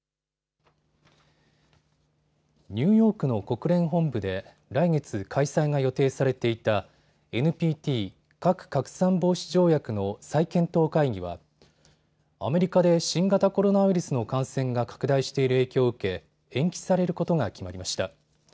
ニューヨークの国連本部で来月、開催が予定されていたＮＰＴ＝核拡散防止条約の再検討会議はアメリカで新型コロナウイルスの感染が拡大している影響を受け延期されることが決まりました。